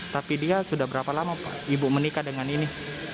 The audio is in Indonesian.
tapi dia sudah berapa lama ibu menikah dengan ini